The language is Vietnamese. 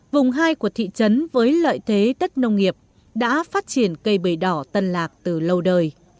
vùng hai của thị trấn với lợi thế đất nông nghiệp đã phát triển cây bầy đỏ tân lạc từ lâu đời